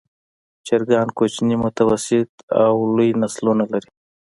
چرګان کوچني، متوسط او لوی نسلونه لري.